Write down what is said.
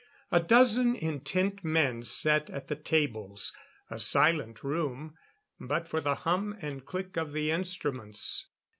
A dozen intent men sat at the tables; a silent room, but for the hum and click of the instruments.